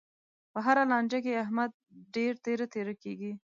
په هره لانجه کې، احمد ډېر تېره تېره کېږي.